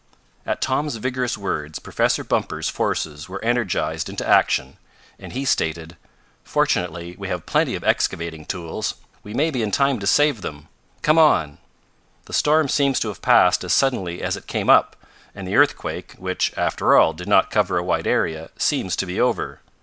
At Tom's vigorous words Professor Bumper's forces were energized into action, and he stated: "Fortunately we have plenty of excavating tools. We may be in time to save them. Come on! the storm seems to have passed as suddenly as it came up, and the earthquake, which, after all did not cover a wide area, seems to be over.